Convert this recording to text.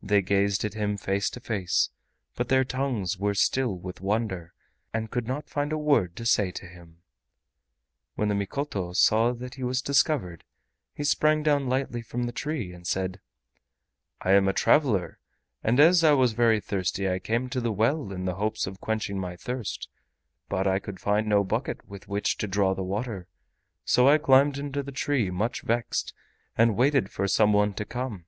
They gazed at him face to face, but their tongues were still with wonder and could not find a word to say to him. When the Mikoto saw that he was discovered, he sprang down lightly from the tree and said: "I am a traveler, and as I was very thirsty I came to the well in the hopes of quenching my thirst, but I could find no bucket with which to draw the water. So I climbed into the tree, much vexed, and waited for some one to come.